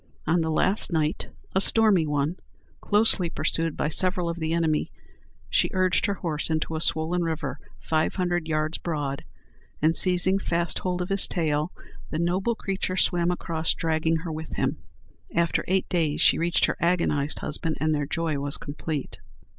On the last night, a stormy one, closely pursued by several of the enemy, she urged her horse into a swollen river, five hundred yards broad, and seizing fast hold of his tail, the noble creature swam across, dragging her with him. After eight days she reached her agonized husband, and their joy was complete.